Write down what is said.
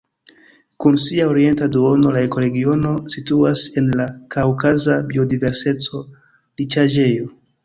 Kun sia orienta duono la ekoregiono situas en la kaŭkaza biodiverseco-riĉaĵejo.